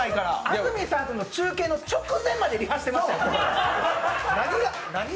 安住さんとの中継の直前までリハしてましたよ！